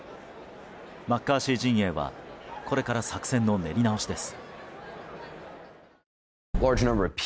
マッカーシー陣営はこれから作戦の練り直しです。